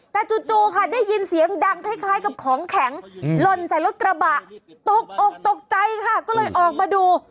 แต่จู่ค่ะได้ยินเสียงดังคล้ายกับของแข็งลนใส่รถกระบะตกอกตกใจค่ะก็เลยออกมาดู